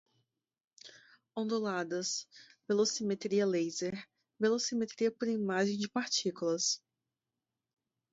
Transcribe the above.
onduladas, velocimetria laser, velocimetria por imagem de partículas